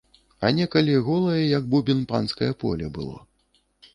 А некалі голае як бубен панскае поле было.